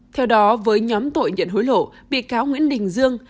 theo đó với nhóm tội nhận hối lộ bị cáo nguyễn đình dương